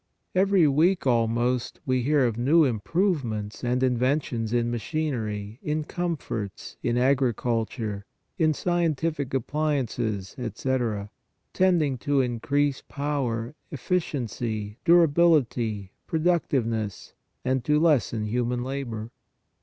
Every week almost we hear of new im provements and inventions in machinery, in com forts, in agriculture, in scientific appliances, etc., tending to increase power, efficiency, durability, pro ductiveness, and to lessen human labor.